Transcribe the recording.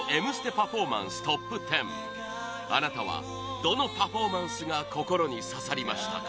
パフォーマンストップ１０あなたはどのパフォーマンスが心に刺さりましたか？